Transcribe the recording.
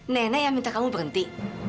nenek yang minta kamu berhenti